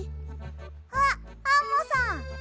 あっアンモさん。